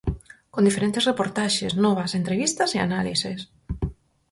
Con diferentes reportaxes, novas, entrevistas e análises.